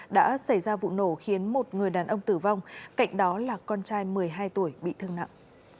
đã xảy ra vụ nổ khiến một người đàn ông tử vong cạnh đó là con trai một mươi hai tuổi bị thương nặng